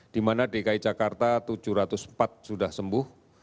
di mana dki jakarta tujuh ratus empat sudah sembuh